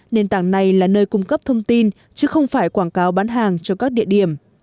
nền tảng này là nơi cung cấp thông tin chứ không phải quảng cáo bán hàng cho các địa điểm